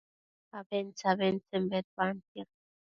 abentse-abentsen bedbantiad